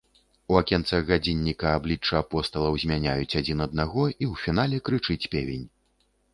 У акенцах гадзінніка абліччы апосталаў змяняюць адзін аднаго, і ў фінале крычыць певень.